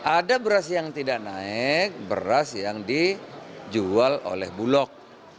ada beras yang tidak naik beras yang dijual oleh bulog